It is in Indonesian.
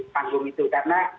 panggung itu karena